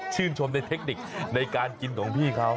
ชมในเทคนิคในการกินของพี่เขา